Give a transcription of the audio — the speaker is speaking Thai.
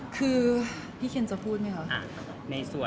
คือพี่เคนจะพูดไหมคะ